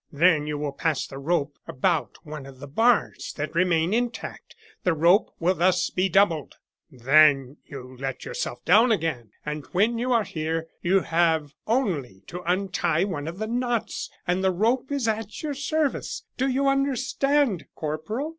Then you will pass the rope about one of the bars that remain intact; the rope will thus be doubled; then you let yourself down again, and when you are here, you have only to untie one of the knots and the rope is at your service. Do you understand, Corporal?"